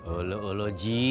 olah olah ji